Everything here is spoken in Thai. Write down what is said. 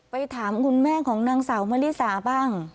ถามคุณแม่ของนางสาวมะลิสาบ้าง